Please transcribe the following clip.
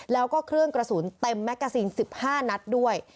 แล้วก็เครื่องกระสุนเต็มแมกกาซีน๑๕นัดด้วย